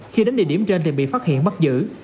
khi đến địa điểm trên thì bị phát hiện bắt giữ